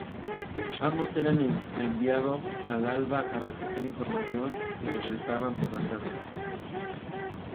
Ambos eran enviados al alba a recoger información y regresaban por la tarde.